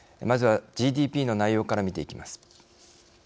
まずはＧＤＰの内容から見ていきます。